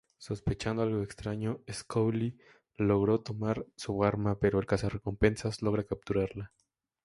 Sospechando algo extraño Scully logra tomar su arma pero el Cazarrecompensas logra capturarla.